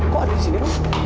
kok ada di sini